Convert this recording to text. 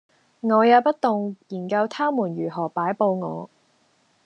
我也不動，研究他們如何擺佈我；